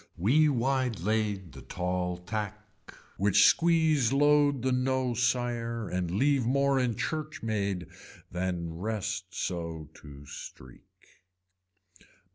We wide lade the tall tack which squeeze load the no sire and leave more in church maid than rest so to streak.